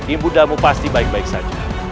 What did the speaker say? ibu danmu pasti baik baik saja